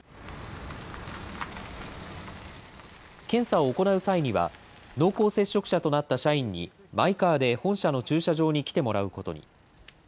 検査を行う際には、濃厚接触者となった社員に、マイカーで本社の駐車場に来てもらうことに。